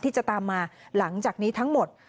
ที่จะตามมาหลังจากนี้ทั้งหมด